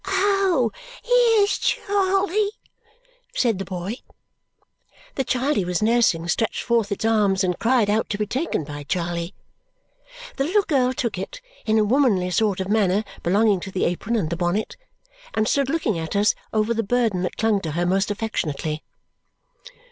"Oh, here's Charley!" said the boy. The child he was nursing stretched forth its arms and cried out to be taken by Charley. The little girl took it, in a womanly sort of manner belonging to the apron and the bonnet, and stood looking at us over the burden that clung to her most affectionately.